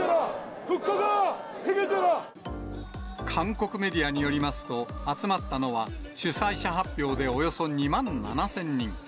韓国メディアによりますと、集まったのは、主催者発表でおよそ２万７０００人。